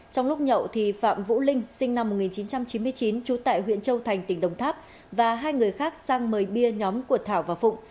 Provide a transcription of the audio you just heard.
trong lúc nhậu phạm vũ linh sinh năm một nghìn chín trăm chín mươi chín trú tại huyện châu thành tỉnh đồng tháp và hai người khác sang mời bia nhóm của thảo và phụng